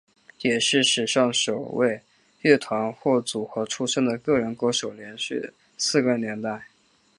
也是史上首位乐团或组合出身的个人歌手连续四个年代。